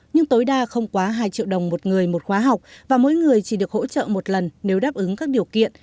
nhưng tối đa không quá hai triệu đồng một người một khóa học và mỗi người chỉ được hỗ trợ một lần nếu đáp ứng các điều kiện